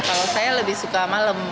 kalau saya lebih suka malam